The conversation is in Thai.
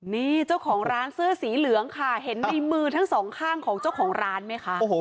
นี่เจ้าของร้านเสื้อสีเหลืองค่ะเห็นในมือทั้งสองข้างของเจ้าของร้านไหมคะ